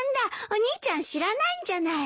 お兄ちゃん知らないんじゃない。